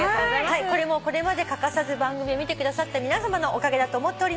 これもこれまで欠かさず番組を見てくださった皆さまのおかげだと思っております。